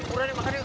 udah nih makan yuk